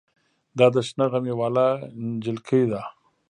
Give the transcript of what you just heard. دا د شنه غمي واله جلکۍ ده.